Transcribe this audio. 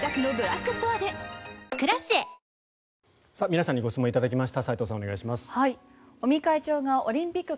皆さんにご質問頂きました。